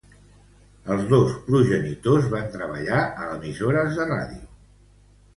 Els dos progenitors van treballar a emissores de ràdio.